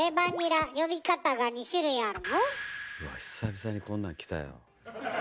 久々にこんなんきたよ。